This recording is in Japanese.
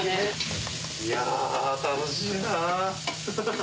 いや楽しいなぁ。